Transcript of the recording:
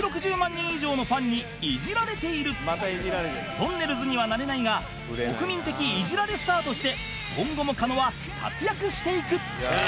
とんねるずにはなれないが国民的イジられスターとして今後も狩野は活躍していく！